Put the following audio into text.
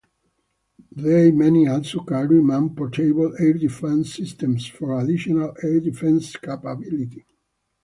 They may also carry man-portable air-defense systems for additional air defense capability.